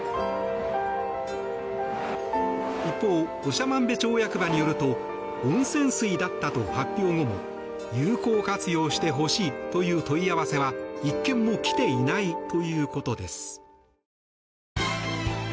一方、長万部町役場によると温泉水だったと発表後も有効活用してほしいという問い合わせは１件も来ていないということです。